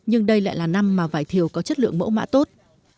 nhưng đây lại là năm mà vải thiều có chất lượng mẫu mã tốt